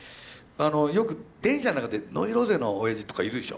あのよく電車の中でノイローゼのおやじとかいるでしょ。